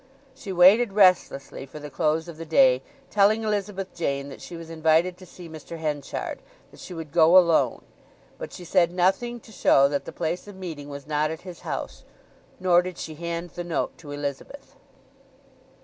She waited restlessly for the close of the day, telling Elizabeth Jane that she was invited to see Mr. Henchard; that she would go alone. But she said nothing to show that the place of meeting was not at his house, nor did she hand the note to Elizabeth.